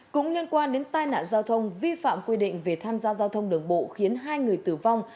cũng liên quan đến tai nạn giao thông vi phạm quy định về tham gia giao thông đường bộ khiến hai người tử vong